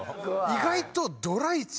意外と。